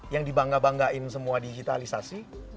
yang dibangga banggain semua digitalisasi